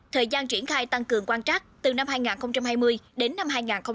thời gian triển khai tăng cường quan trắc từ năm hai nghìn hai mươi đến năm hai nghìn hai mươi một